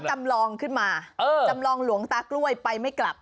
จำลองขึ้นมาจำลองหลวงตากล้วยไปไม่กลับ